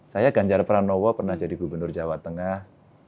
saya ganjar pranowo pernah jadi gubernur jawa tengah